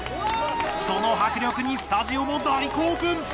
その迫力にスタジオも大興奮！